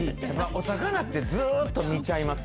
お魚ってずっと見ちゃいます